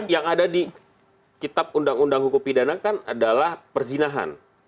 yang ada di kitab undang undang hukum pidana kan adalah perzinahan